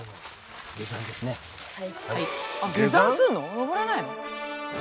登らないの？